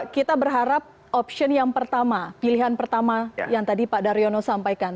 kita berharap pilihan pertama yang tadi pak daryono sampaikan